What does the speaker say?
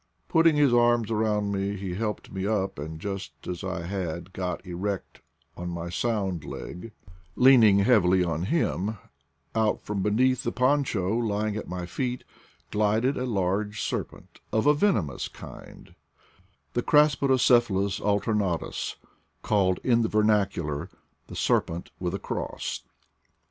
Putting his arms around me he helped me up, and just as I had got erect on my sound leg, leaning heavily on him, out from beneath the poncho lying at my feet glided a large serpent of a venomous kind, the Craspedocephalus alternac_ tus, called in the vernacular the serpent with cross.